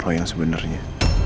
roy yang sebenarnya